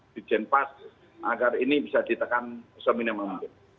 di jenpas agar ini bisa ditekan semina maupun